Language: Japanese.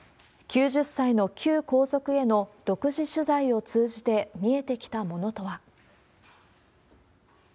９０歳の旧皇族への独自取材を通じて見えてきたものとは。